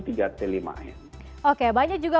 tiga t lima m oke banyak juga